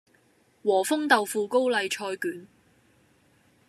和風豆腐高麗菜卷